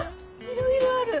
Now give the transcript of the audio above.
いろいろある！